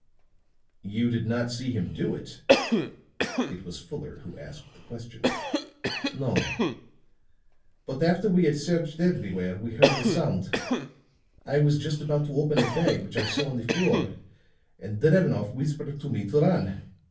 "You did not see him do it?" It was Fuller who asked the question. "No; but after we had searched everywhere, we heard a sound; I was just about to open a bag which I saw on the floor and Drevenoff whispered to me to run.